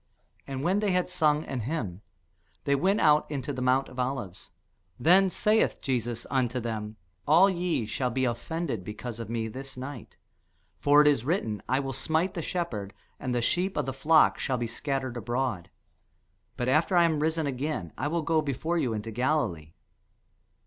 And when they had sung an hymn, they went out into the mount of Olives. Then saith Jesus unto them, All ye shall be offended because of me this night: for it is written, I will smite the shepherd, and the sheep of the flock shall be scattered abroad. But after I am risen again, I will go before you into Galilee.